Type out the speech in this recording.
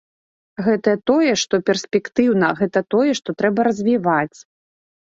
Гэта тое, што перспектыўна, гэта тое, што трэба развіваць.